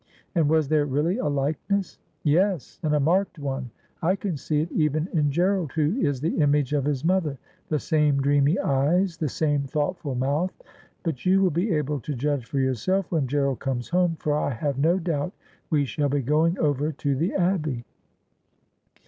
' And was there really a likeness ?'' Yes ; and a marked one. I can see it even in Gerald, who is the image of his mother — the same dreamy eyes, the same thoughtful mouth. But you will be able to judge for yourself when Gerald comes home, for I have no doubt we shall be going over to the Abbey.'